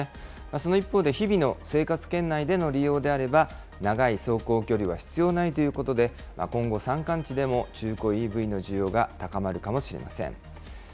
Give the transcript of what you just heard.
その一方で日々の生活圏内での利用であれば、長い走行距離は必要ないということで、今後、山間地でも中古ＥＶの需要が高まるかもしれません。